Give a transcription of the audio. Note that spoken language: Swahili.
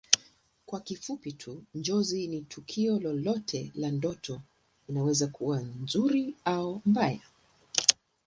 Kwa kifupi tu Njozi ni tukio lolote la ndoto inaweza kuwa nzuri au mbaya